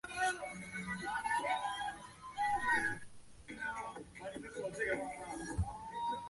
尼泊尔宪法保障平等对待所有宗教。